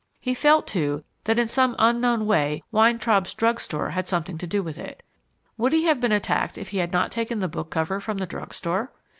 He felt, too, that in some unknown way Weintraub's drug store had something to do with it. Would he have been attacked if he had not taken the book cover from the drug store?